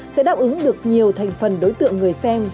sẽ đáp ứng được nhiều thành phần đối tượng người xem